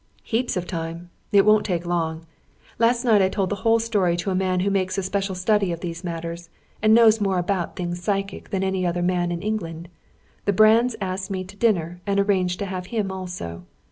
"Heaps of time. It won't take long. Last night I told the whole story to a man who makes a special study of these matters, and knows more about things psychic than any other man in England. The Brands asked me to dinner and arranged to have him also.